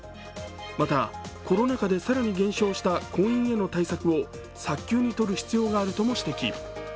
また、コロナ禍で更に減少した婚姻への対策を早急にとる必要があるとも指摘。